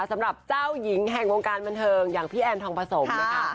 สำหรับเจ้าหญิงแห่งวงการบันเทิงอย่างพี่แอนทองผสมนะคะ